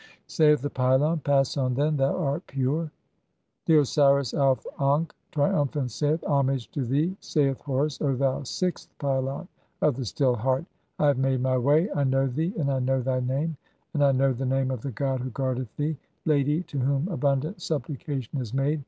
[Saith the pylon :—] "Pass on, then, thou art pure." VI. (21) The Osiris Auf ankh, triumphant, saith :— "Homage to thee, saith Horus, O thou sixth pylon of the "Still Heart. I have made [my] way. I know thee, and I know "thy name, and I know the name of the god who guardeth "thee (22) ......... 'lady to whom abundant supplication is "made